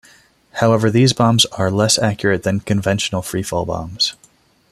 However, these bombs are less accurate than conventional free-fall bombs.